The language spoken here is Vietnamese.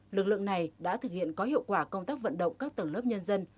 lực lượng này đã thực hiện có hiệu quả công tác vận động các tầng lớp nhân dân